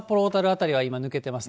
辺りは今、抜けてます。